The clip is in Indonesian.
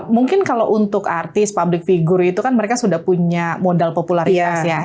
mungkin kalau untuk artis public figure itu kan mereka sudah punya modal popularitas ya